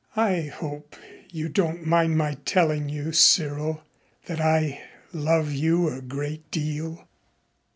"I hope you don't mind my telling you, Cyril, that I love you a great deal."